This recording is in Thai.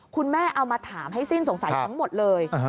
คุณแม่เอามาถามให้สิ้นสงสัยทั้งหมดเลย